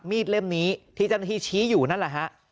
มีดเล่มนี้ที่จันทิชชี้อยู่นั่นแหละฮะ